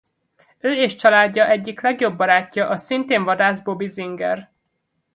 Ő és családja egyik legjobb barátja a szintén vadász Bobby Singer.